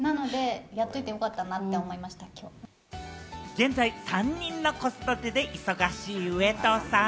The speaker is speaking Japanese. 現在３人の子育てで忙しい上戸さん。